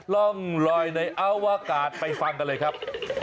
ร่องลอยในอวกาศไปฟังกันเลยครับ